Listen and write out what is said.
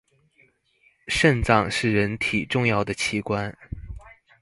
腎臟是人體重要的器官